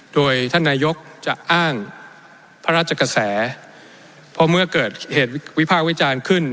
โดยท่านนายกจะอ้างพระราชกระแสเพราะเมื่อเกิดเหตุวิพากษ์วิจารณ์ขึ้น